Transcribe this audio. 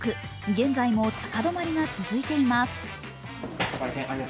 現在も高止まりが続いています。